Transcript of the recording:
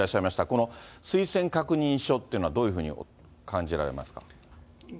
この推薦確認書っていうのは、どういうふうに感じられますか。